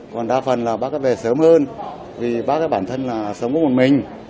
còn đa phần là bác ấy về sớm hơn vì bác ấy bản thân là sống có một mình